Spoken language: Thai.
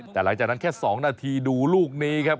แต่หลังจากนั้นแค่๒นาทีดูลูกนี้ครับ